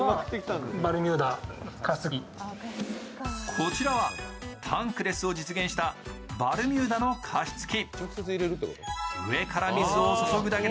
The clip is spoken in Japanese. こちらはタンクレスを実現したバルミューダの加湿器。